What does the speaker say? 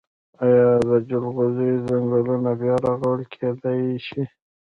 آیا د جلغوزیو ځنګلونه بیا رغول کیدی شي؟